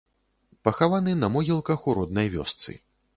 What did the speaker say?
Пахаваны на могілках у роднай вёсцы.